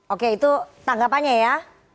oke itu tanggapannya ya